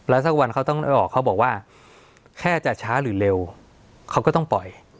สักวันเขาต้องออกเขาบอกว่าแค่จะช้าหรือเร็วเขาก็ต้องปล่อย